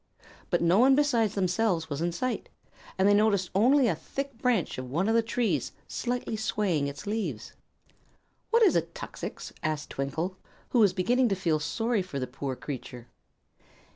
But no one besides themselves was in sight, and they only noticed a thick branch of one of the trees slightly swaying its leaves. "What is a tuxix?" asked Twinkle, who was beginning to feel sorry for the poor creature.